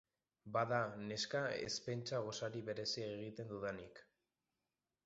Bada, neska, ez pentsa gosari berezia egiten dudanik.